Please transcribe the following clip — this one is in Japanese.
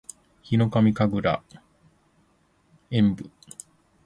ヒノカミ神楽炎舞（ひのかみかぐらえんぶ）